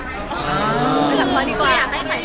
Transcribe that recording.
ไปถามพ่อดีกว่า